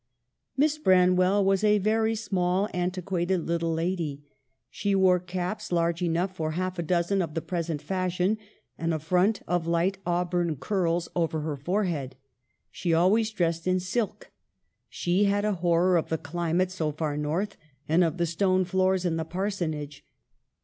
" Miss Branwell was a very small, antiquated little lady. She wore caps large enough for half a dozen of the present fashion, and a front of light auburn curls over her forehead. She always dressed in silk. She had a horror of the climate so far north, and of the stone floors in the Parsonage.